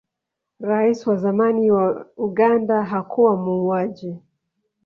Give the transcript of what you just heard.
rais wa zamani wa uganda hakuwa muuaji